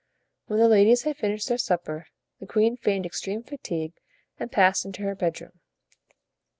When the ladies had finished their supper the queen feigned extreme fatigue and passed into her bedroom.